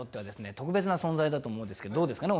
特別な存在だと思うんですけどどうですかね？